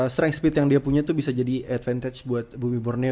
strength speed yang dia punya tuh bisa jadi advantage buat bumi borneo